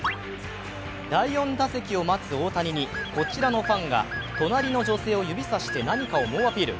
第４打席を待つ大谷にこちらのファンがとなりの女性を指さして何かを猛アピール。